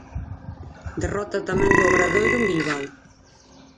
Derrota tamén do Obradoiro en Bilbao.